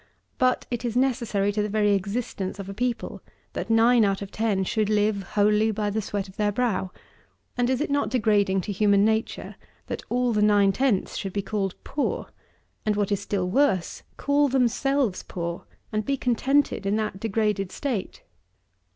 But it is necessary to the very existence of a people, that nine out of ten should live wholly by the sweat of their brow; and, is it not degrading to human nature, that all the nine tenths should be called poor; and, what is still worse, call themselves poor, and be contented in that degraded state?